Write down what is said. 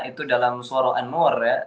itu dalam suara an nur ya